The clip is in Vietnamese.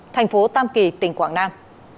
thành phố tam kỳ tỉnh quảng nam